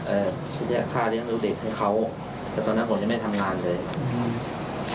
เรียกค่าเลี้ยงดูเด็กให้เขาแต่ตอนนั้นผมยังไม่ทำงานเลยอืม